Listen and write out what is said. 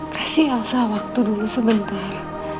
kasih elsa waktu dulu sebentar